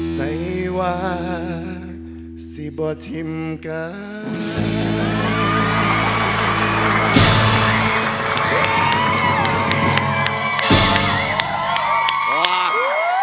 ใส่ว่าที่บ่อทิมการ